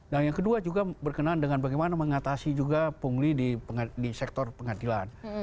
nah yang kedua juga berkenaan dengan bagaimana mengatasi juga pungli di sektor pengadilan